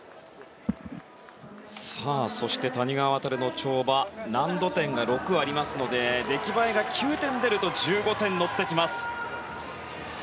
そして谷川航の跳馬難度点が６ありますので出来栄えが９点出ると１５点、乗ってきます。